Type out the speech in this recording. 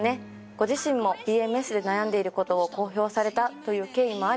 ご自身もＰＭＳで悩んでいることを公表されたという経緯もあり